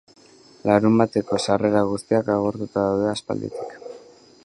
Larunbateko sarrera guztiak agortuta daude aspalditik.